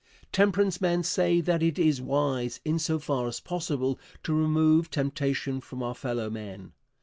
Temperance men say that it is wise, in so far as possible, to remove temptation from our fellow men.